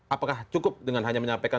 apakah cukup dengan hanya menyampaikan